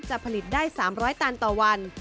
จะผลิตได้๓๐๐ตันต่อวัน